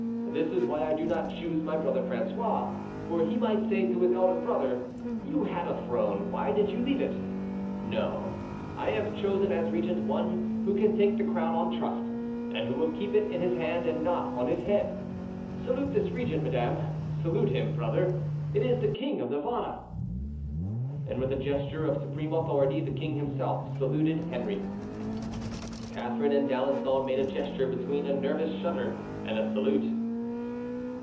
This is why I do not choose my brother François, for he might say to his elder brother, 'You had a throne, why did you leave it?' No, I have chosen as regent one who can take the crown on trust, and who will keep it in his hand and not on his head. Salute this regent, madame; salute him, brother; it is the King of Navarre!" And with a gesture of supreme authority the King himself saluted Henry. Catharine and D'Alençon made a gesture between a nervous shudder and a salute.